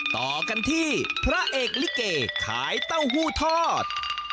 ต่อกันที่พระเอกลิเกขายเต้าหู้ทอด